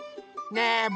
ねえ！